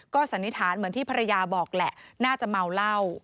สันนิษฐานเหมือนที่ภรรยาบอกแหละน่าจะเมาเหล้า